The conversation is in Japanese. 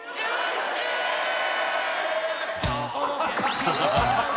ハハハハ！